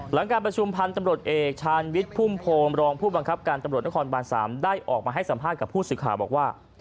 หลังการประชุมพันธุ์ตำรวจเอกชาญวิทย์พุ่มโพมรองผู้บังคับการตำรวจนครบาน๓ได้ออกมาให้สัมภาษณ์กับผู้สื่อข่าวบอกว่า